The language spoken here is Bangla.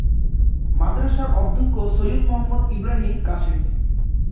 মাদ্রাসার অধ্যক্ষ সৈয়দ মোহাম্মদ ইবরাহীম কাসেম।